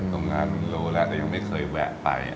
ตรงนั้นโลแล้วแต่ยังไม่เคยแวะไป